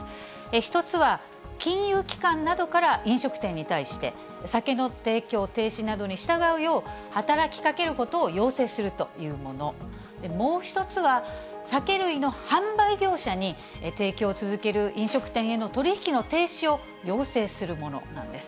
１つは、金融機関などから飲食店に対して、酒の提供停止などに従うよう働きかけることを要請するというもの、もう一つは、酒類の販売業者に、提供を続ける飲食店への取り引きの停止を要請するものなんです。